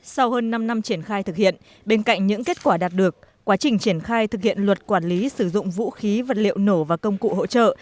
sau hơn năm năm triển khai thực hiện bên cạnh những kết quả đạt được quá trình triển khai thực hiện luật quản lý sử dụng vũ khí vật liệu nổ và công cụ hỗ trợ